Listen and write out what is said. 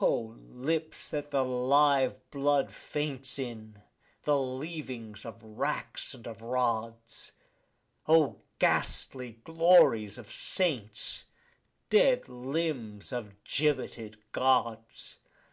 O lips that the live blood faints in, the leavings of racks and rods! O ghastly glories of saints, dead limbs of gibbeted Gods!